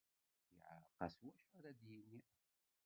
Yeɛreq-as wacu ara d-yini.